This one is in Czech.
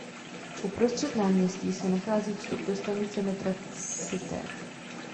Uprostřed náměstí se nachází vstup do stanice metra Cité.